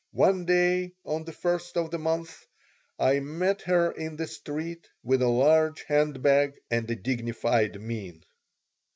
One day, on the first of the month, I met her in the street with a large hand bag and a dignified mien.